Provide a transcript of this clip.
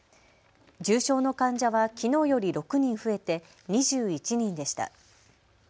重症の患者はきのうより６人増えて２１人でした。